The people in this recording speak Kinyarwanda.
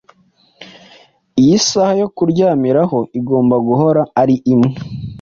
Iyi saha yo kuryamiraho igomba guhora ari imwe